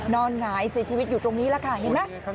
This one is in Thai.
นอนหายเสียชีวิตอยู่ตรงนี้นะคะเห็นไหม